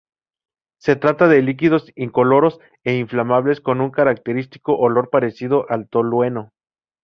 Se trata de líquidos incoloros e inflamables con un característico olor parecido al tolueno.